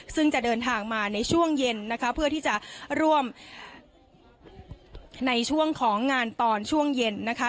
ซึ่งจะเดินทางมาในช่วงเย็นนะคะเพื่อที่จะร่วมในช่วงของงานตอนช่วงเย็นนะคะ